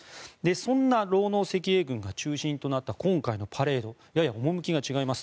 そんな労農赤衛軍が中心となった今回のパレードやや趣が違います。